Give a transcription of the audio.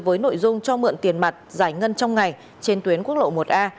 với nội dung cho mượn tiền mặt giải ngân trong ngày trên tuyến quốc lộ một a